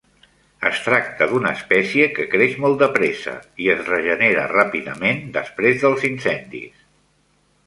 Es tracta d'una espècie que creix molt de pressa i es regenera ràpidament després dels incendis.